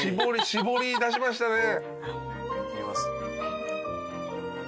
絞り出しましたね。